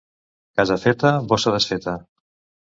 Casa feta, bossa desfeta.